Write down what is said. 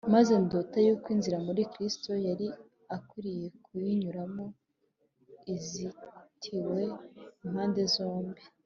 Maze ndota yuko inzira Mukristo yari akwiriye kunyuramo izitiwe impande zombi